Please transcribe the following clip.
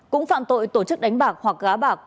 cũng phạm tội tổ chức đánh bạc hoặc gá bạc